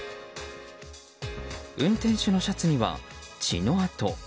運転手のシャツには血の痕。